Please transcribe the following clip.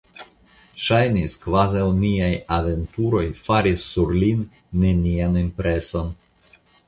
Ŝajnis, kvazaŭ niaj aventuroj faris sur lin nenian impreson.